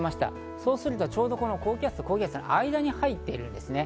そうするとちょうどこの高気圧と高気圧の間に入っているんですね。